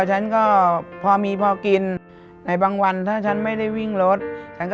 ฉันก็พอมีพอกินในบางวันถ้าฉันไม่ได้วิ่งรถฉันก็